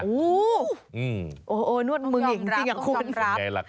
โอ้โหนวดมึงจริงจริงค่ะคุณ